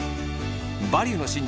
「バリューの真実」